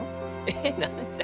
えっ何じゃ？